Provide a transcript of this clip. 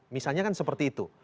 misalnya kan seperti itu